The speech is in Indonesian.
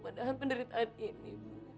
padahal penderitaan ini